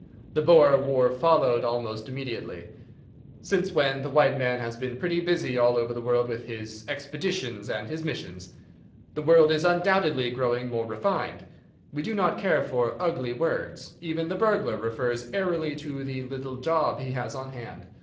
The Boer war followed almost immediately. Since when the white man has been pretty busy all over the world with his "expeditions" and his "missions." The world is undoubtedly growing more refined. We do not care for ugly words. Even the burglar refers airily to the "little job" he has on hand.